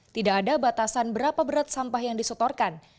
tidak ada batasan berapa berat sampah yang disetorkan